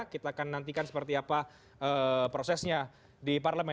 kita akan nantikan seperti apa prosesnya di parlemen